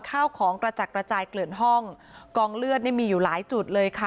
ข้าวของกระจัดกระจายเกลื่อนห้องกองเลือดนี่มีอยู่หลายจุดเลยค่ะ